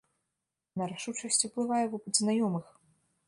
На рашучасць ўплывае вопыт знаёмых.